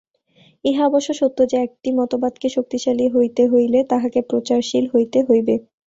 ইহা অবশ্য সত্য যে, একটি মতবাদকে শক্তিশালী হইতে হইলে তাহাকে প্রচারশীল হইতে হইবে।